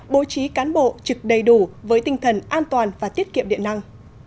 bố trí cán bộ trực đầy đủ với tinh thần an toàn và tiết kiệm điện năng